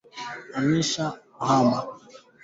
Amisha viazi visivyokua na mafuta kwenye sinia